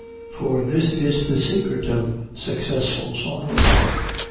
For this is the secret of successful sauntering.